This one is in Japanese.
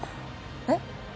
えっ？